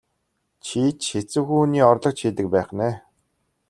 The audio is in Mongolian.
Чи ч хэцүүхэн хүний орлогч хийдэг байх нь ээ?